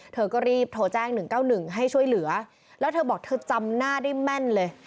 เธอก็รีบโทรแจ้ง๑๙๑ให้ช่วยเหลือแล้วเธอบอกเธอจำหน้าได้แม่นเลย